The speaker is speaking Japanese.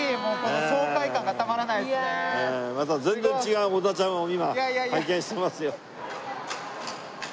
また全然違う織田ちゃんを今拝見してますよ。